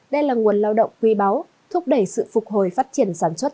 đây là nguồn lao động quy báo thúc đẩy sự phục hồi phát triển sản xuất